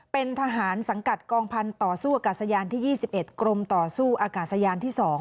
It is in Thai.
เป็นทหารสังกัดกองพันธุ์ต่อสู้อากาศยานที่๒๑กรมต่อสู้อากาศยานที่๒